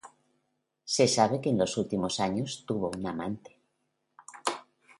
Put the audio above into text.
Se sabe que en sus últimos años tuvo una amante.